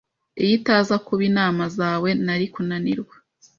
Iyo itaza kuba inama zawe, nari kunanirwa.